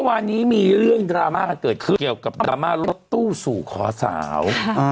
วันนี้มีเรื่องดราม่ากันเกิดขึ้นเกี่ยวกับดราม่ารถตู้สู่ขอสาว